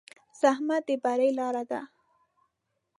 زحمت د بری لاره ده.